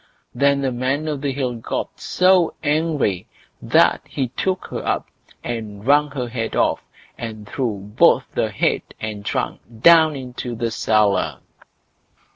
Then the Man o' the Hill got so angry that he took her up and wrung her head off, and threw both head and trunk down into the cellar.